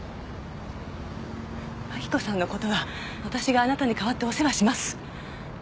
真紀子さんのことは私があなたに代わってお世話します